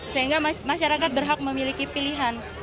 sehingga masyarakat berhak memiliki pilihan